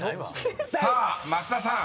［さあ増田さん